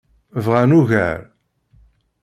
Bɣan ugar.